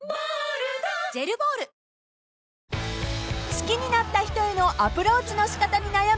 ［好きになった人へのアプローチの仕方に悩む